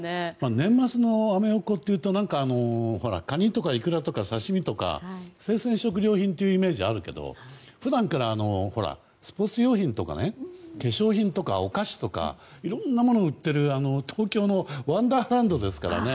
年末のアメ横っていうとカニとかイクラとか刺し身とか生鮮食料品というイメージがあるけど普段からスポーツ用品とか化粧品とかお菓子とかいろんなものを売っている東京のワンダーランドですからね。